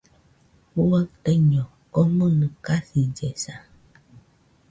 Juaɨ taiño komɨnɨ kasillesa.